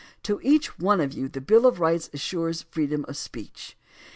To each one of you the Bill of Rights assures freedom of speech.